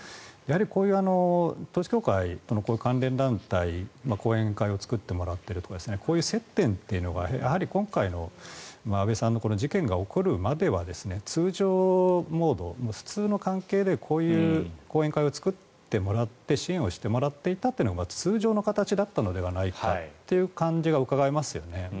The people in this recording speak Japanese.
こういう統一教会の関連団体後援会を作ってもらっているとかこういう接点というのが今回の安倍さんの事件が起こる前までは通常モード、普通の関係でこういう後援会を作ってもらって支援してもらっていたというのが通常の形だったのではないかという感じがうかがえますよね。